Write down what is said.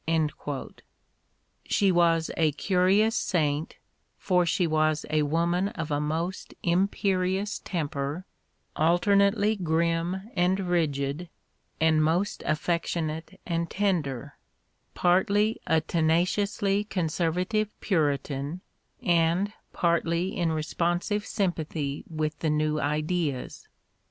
She was a curious " saint," for she was a woman of a most imperious temper, alternately grim and rigid, and most aflfectionate and tender : partly a tenaciously conservative Puritan, and partly in responsive sympathy with the new ideas.